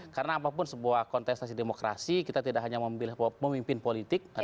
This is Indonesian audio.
karena apapun sebuah kontestasi demokrasi kita tidak hanya memimpin politik